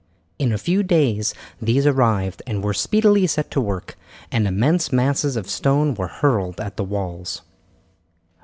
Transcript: In a few days these arrived and were speedily set to work, and immense masses of stone were hurled at the walls.